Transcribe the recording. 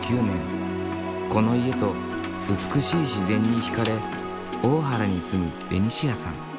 この家と美しい自然にひかれ大原に住むベニシアさん。